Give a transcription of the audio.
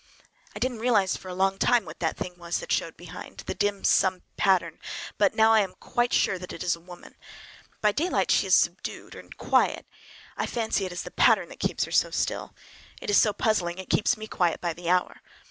I didn't realize for a long time what the thing was that showed behind,—that dim sub pattern,—but now I am quite sure it is a woman. By daylight she is subdued, quiet. I fancy it is the pattern that keeps her so still. It is so puzzling. It keeps me quiet by the hour.